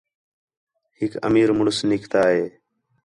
ہِک امیر مُݨس نِکتا ہے